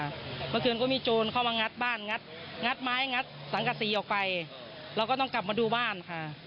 เมื่อคืนก็มีโจรเข้ามางัดบ้านงัดงัดไม้งัดสังกษีออกไปเราก็ต้องกลับมาดูบ้านค่ะ